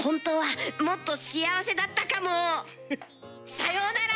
さようなら！